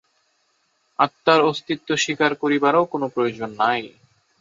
আত্মার অস্তিত্ব স্বীকার করিবারও কোন প্রয়োজন নাই।